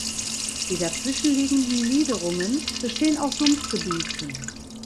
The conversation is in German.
Die dazwischen liegenden Niederungen bestehen aus Sumpfgebieten.